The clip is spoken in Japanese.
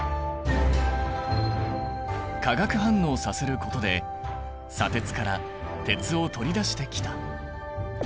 化学反応させることで砂鉄から鉄を取り出してきた。